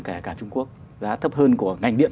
kể cả trung quốc giá thấp hơn của ngành điện